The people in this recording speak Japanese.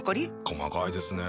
細かいですね。